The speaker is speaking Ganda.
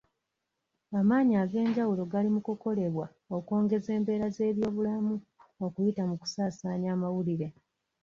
Amaanyi ag'enjawulo gali mu kukolebwa okwongeza embeera z'ebyobulamu okuyita mu kusasaanya amawulire.